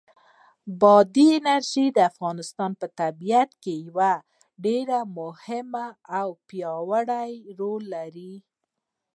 بادي انرژي د افغانستان په طبیعت کې یو ډېر مهم او پیاوړی رول لري.